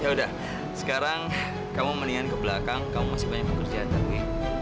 yaudah sekarang kamu mendingan ke belakang kamu masih banyak pekerjaan lagi